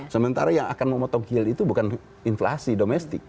sementara yang akan memotong yield itu bukan inflasi domestik